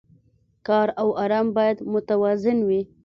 کار او ارام باید متوازن وي.